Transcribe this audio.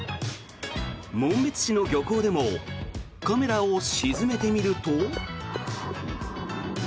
紋別市の漁港でもカメラを沈めてみると。